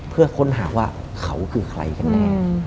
เพื่อค้นหาว่าเขาคือใครกันแน่